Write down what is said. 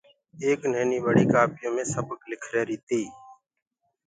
ايڪ نهيني ٻڙي ڪآپيو مي سبڪُ لک ريهريٚ تيٚ